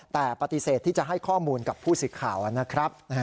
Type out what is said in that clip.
แต่ปฏิเสธที่จะให้ข้อมูลกับผู้สื่อข่าวนะครับ